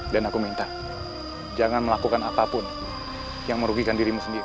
dan aku minta jangan melakukan apapun yang merugikan dirimu sendiri